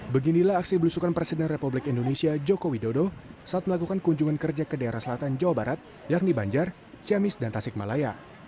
beginilah aksi belusukan presiden republik indonesia joko widodo saat melakukan kunjungan kerja ke daerah selatan jawa barat yakni banjar ciamis dan tasikmalaya